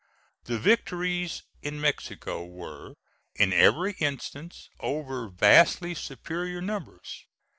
The victories in Mexico were, in every instance, over vastly superior numbers.